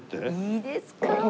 いいですか？